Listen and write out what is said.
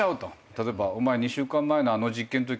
例えばお前２週間前のあの実験のとき。